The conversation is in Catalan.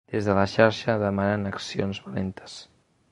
Des de la xarxa demanen accions valentes.